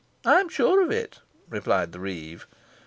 "I am sure of it," replied the reeve.